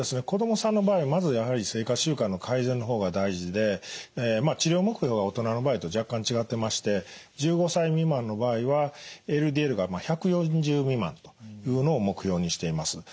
子どもさんの場合まずやはり生活習慣の改善の方が大事で治療目標が大人の場合と若干違ってまして１５歳未満の場合はＬＤＬが１４０未満というのを目標にしています。